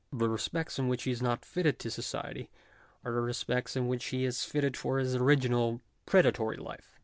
The respects in which he is not fitted to society are the respects in which he is fitted for his original predatory life.